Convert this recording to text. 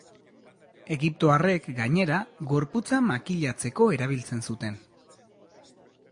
Egiptoarrek, gainera, gorputza makilatzeko erabiltzen zuten.